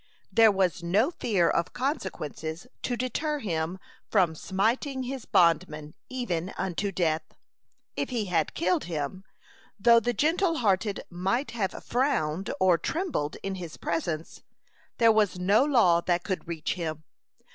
There was no fear of consequences to deter him from smiting his bondman, even unto death. If he had killed him, though the gentle hearted might have frowned or trembled in his presence, there was no law that could reach him.